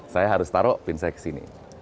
saya harus taruh pin saya ke sini